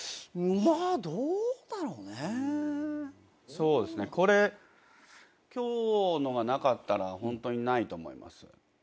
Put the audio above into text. そうですねこれ今日のがなかったらホントにないと思います。